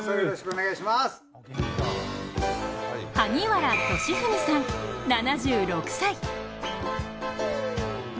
萩原利文さん、７６歳。